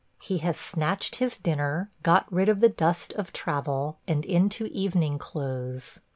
He has snatched his dinner, got rid of the dust of travel, and into evening clothes.